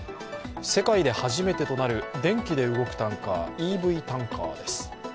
世界で初めてとなる電気で動くタンカーＥＶタンカーです。